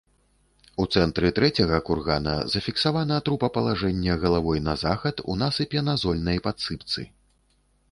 У цэнтры трэцяга кургана зафіксавана трупапалажэнне галавой на захад у насыпе на зольнай падсыпцы.